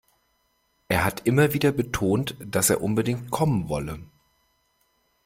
Er hat immer wieder betont, dass er unbedingt kommen wolle.